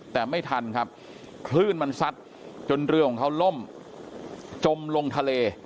แต่ไม่ทันครับคลื่นมันซัดจนเรือของเขาล่มจมลงทะเล